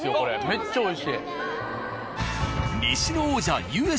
めっちゃおいしい。